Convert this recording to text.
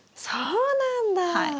そうなんだ。